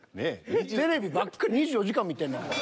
テレビばっかり２４時間見てんねんから。